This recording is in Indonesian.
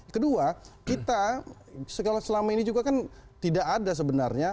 kedua kita selama ini juga kan tidak ada sebenarnya